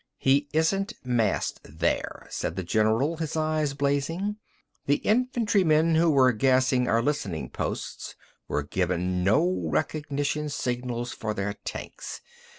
"He isn't massed there," said the general, his eyes blazing. "The infantrymen who were gassing our listening posts were given no recognition signals for their tanks.